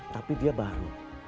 tapi dia baru